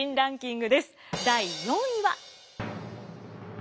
第４位は。